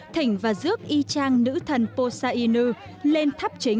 thỉnh và dước y trang nữ thần posa inu lên tháp chính